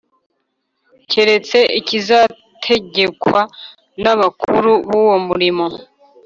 Keretse ikizategekwa n abakuru b uwo murimo